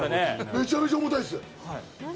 めちゃめちゃ重たいです。